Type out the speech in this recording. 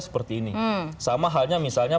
seperti ini sama halnya misalnya